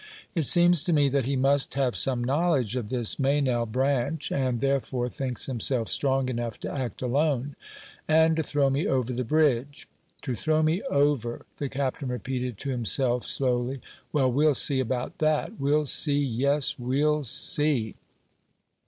It seems to me that he must have some knowledge of this Meynell branch, and therefore thinks himself strong enough to act alone, and to throw me over the bridge. To throw me over," the Captain repeated to himself slowly. "Well, we'll see about that. We'll see; yes, we'll see."